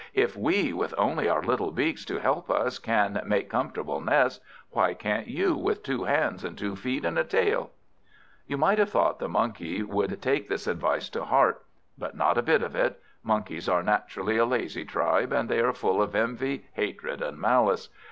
If we, with only our little beaks to help us, can make comfortable nests, why can't you, with two hands and two feet and a tail?" You might have thought the Monkey would take this advice to heart. But not a bit of it. Monkeys are naturally a lazy tribe, and they are full of envy, hatred, and malice.